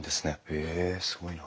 へえすごいな。